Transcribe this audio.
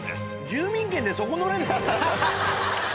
住民権でそこ乗れんの？